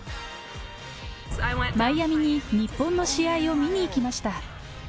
マイアミに日本の試合を見に行きました。